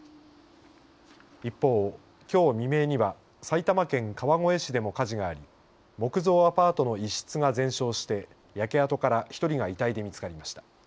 一方、きょう未明には埼玉県川越市でも火事があり木造アパートの一室が全焼して焼け跡から１人が遺体で見つかりました。